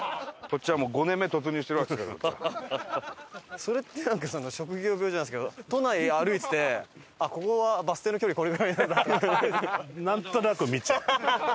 それってなんか職業病じゃないですけど都内歩いててここはバス停の距離これぐらいなんだって事ないですか？